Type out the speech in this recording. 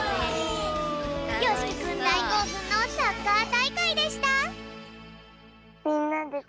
よしきくんだいこうふんのサッカーたいかいでした。